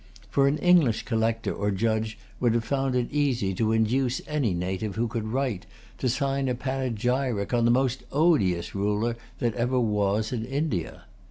For an English collector or judge would have found it easy to induce any native who could write to sign a panegyric on the most odious ruler that ever was in India.